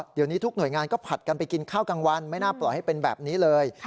เดี๋ยวนี้ทุกหน่วยงานก็ผัดกันไปกินข้าวกลางวันไม่น่าปล่อยให้เป็นแบบนี้เลย